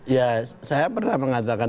ya saya pernah mengatakan